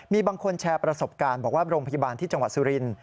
มีบางคนแชร์ประสบการณ์บอกว่าโรงพยาบาลที่จังหวัดสุรินทร์